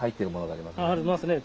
ありますね。